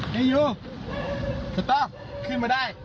เฮ้ยเอ้ยยูสตอปขึ้นไม่ได้